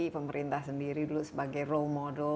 pemerintah sendiri dulu sebagai role model